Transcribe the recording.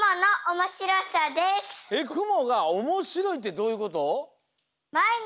えっくもがおもしろいってどういうこと？